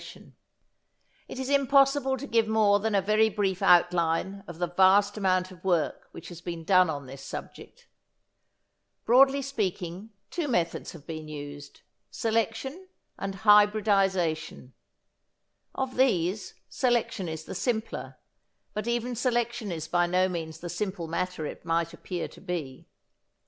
Part of bird proof enclosure containing many small plots for variety testing] It is impossible to give more than a very brief outline of the vast amount of work which has been done on this subject. Broadly speaking, two methods have been used, selection and hybridisation. Of these selection is the simpler, but even selection is by no means the simple matter it might appear to be.